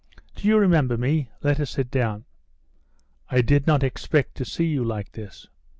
"Do you remember me? Let us sit down." "I did not expect to see you like this."